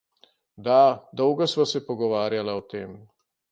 Da, dolgo sva se pogovarjala o tem.